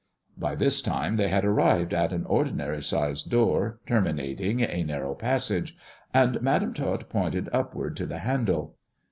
By this time they had arrived at an ordinary sized door, terminating a narrow passage, and Madam Tot pointed upward to the handle.